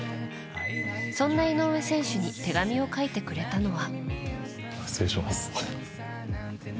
そんな井上選手に手紙を書いてくれたのは。